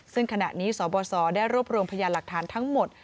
ซึ่งขณะนี้สบสได้รวบรวมพยานหลักฐานทั้งหมด